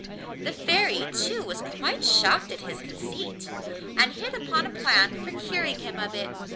The Fairy too was quite shocked at his conceit, and hit upon a plan for curing him of it.